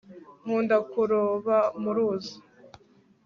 nkunda kuroba mu ruzi